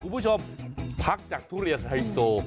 คุณผู้ชมพักจากทุเรียไทโซ